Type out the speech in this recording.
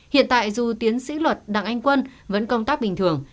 hiện tại dù tiến sĩ luật đặng anh quân vẫn công tác bình thường